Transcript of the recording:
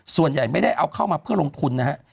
ส่วนใหญ่ไม่ได้เอาเข้ามาเพื่อลงทุนนะฮะ